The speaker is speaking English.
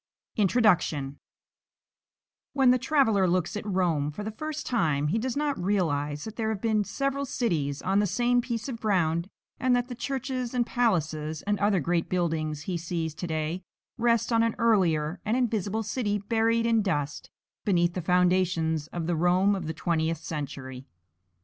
INTRODUCTION When the traveller looks at Rome for the first time he does not realize that there have been several cities on the same piece of ground, and that the churches and palaces and other great buildings he sees to day rest on an earlier and invisible city buried in dust beneath the foundations of the Rome of the Twentieth Century.